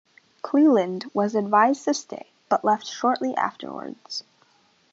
Cleland was advised to stay but left shortly afterwards.